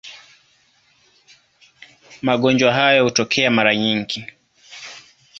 Magonjwa hayo hutokea mara nyingi.